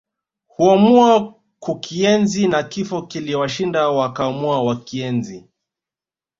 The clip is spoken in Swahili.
Huamua kukienzi na Kifo kiliwashinda wakaamua wakienzi